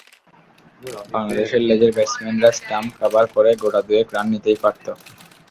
বাংলাদেশের লেজের ব্যাটসম্যানরা stump cover করে গোটা দুয়েক রান নিতেই পারত।